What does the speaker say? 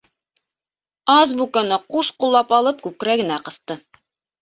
Азбуканы ҡуш ҡуллап алып күкрәгенә ҡыҫты.